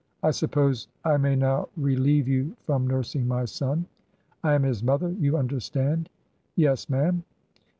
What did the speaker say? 'I sup' pose I may now relieve you from nursing my son. I am his mother, you imderstand.' 'Yes, ma'am.